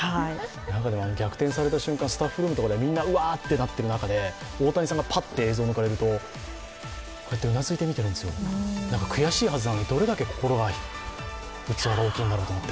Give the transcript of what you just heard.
逆転された瞬間、スタッフルームでみんながわーっとなってる中で大谷さんがパッと映像抜かれると、こうやってうなずいて見てるんですよ、悔しいはずなのにどれだけ器が大きいんだろうと思って。